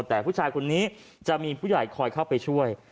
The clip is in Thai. แต่ผู้ชายคนนี้จะมีผู้ใหญ่คอยเข้าไปช่วย